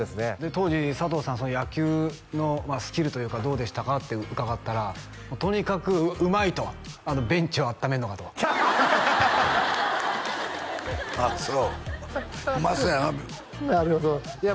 当時佐藤さん野球のスキルというかどうでしたかって伺ったらとにかくうまいとベンチをあっためるのがとああそううまそうやななるほどいや